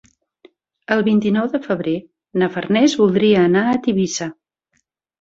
El vint-i-nou de febrer na Farners voldria anar a Tivissa.